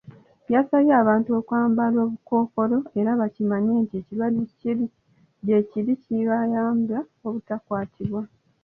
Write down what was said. Yasabye abantu okwambala obukookolo era bakimanye nti ekirwadde gyekiri kibayambe obutakwatibwa.